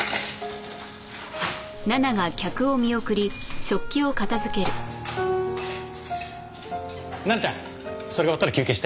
奈々ちゃんそれ終わったら休憩して。